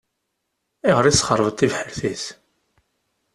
Ayɣer i tesxeṛbeḍ tibḥirt-is?